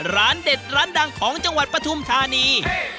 ร้านเด็ดร้านดังของจังหวัดปฐุมธานี